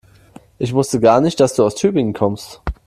Ich wusste gar nicht, dass du aus Tübingen kommst